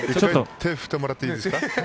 手、振ってもらっていいですか。